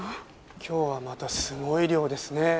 今日はまたすごい量ですねえ。